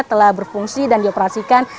telah berfungsi dan dioperasikan